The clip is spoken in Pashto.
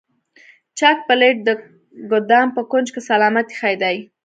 جک پلیټ د ګدام په کونج کې سلامت ایښی دی.